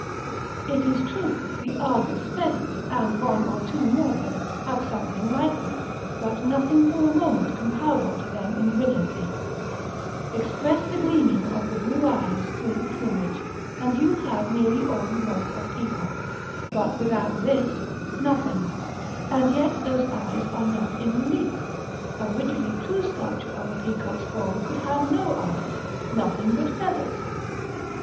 It is true, the argus pheasant, and one or two more birds, have something like them, but nothing for a moment comparable to them in brilliancy: express the gleaming of the blue eyes through the plumage, and you have nearly all you want of peacock, but without this, nothing; and yet those eyes are not in relief; a rigidly true sculpture of a peacock's form could have no eyes, nothing but feathers.